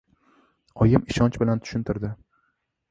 Oyim ishonch bilan tushuntirdi: